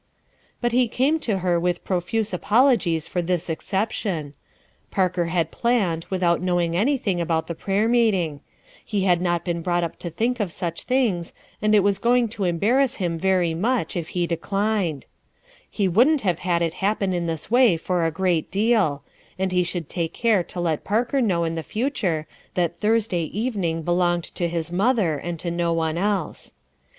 But he came to her with profuse apologies for this exception; Parker had planned, without knowing anything about the prayer meeting; he had not been brought up to think of such things, and it was going to embarrass him very WOULD SHE "DO"? ^ much if he declined, Kc wouldn't have had it happen in this way for a great deal, and he should take care to let Parker know in the future that Thursday evening belonged to hk mother and to no one else.